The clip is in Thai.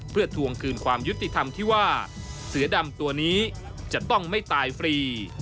เพื่อทวงคืนความยุติธรรมที่ว่าเสือดำตัวนี้จะต้องไม่ตายฟรี